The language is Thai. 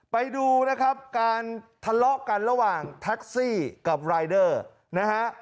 ไปดูนะครับการทะเลาะกันระหว่างแท็กซี่กับรายเดอร์นะฮะ